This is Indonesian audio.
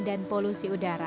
dan polusi udara